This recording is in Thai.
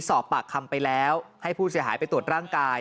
สอบปากคำไปแล้วให้ผู้เสียหายไปตรวจร่างกาย